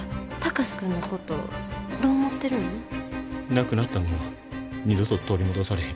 なくなったもんは二度と取り戻されへん。